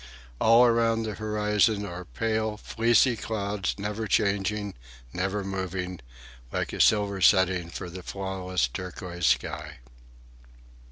All around the horizon are pale, fleecy clouds, never changing, never moving, like a silver setting for the flawless turquoise sky.